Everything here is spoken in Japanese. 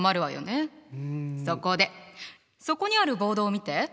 そこでそこにあるボードを見て。